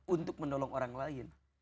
untuk menolong orang lain